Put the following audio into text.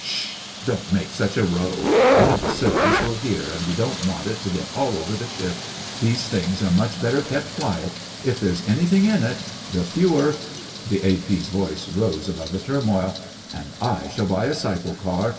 "S sh! Don't make such a row! One of the Servants will hear, and we don't want it to get all over the ship! These things are much better kept quiet. If there's anything in it, the fewer——" The A.P.'s voice rose above the turmoil: "An' I shall buy a cycle car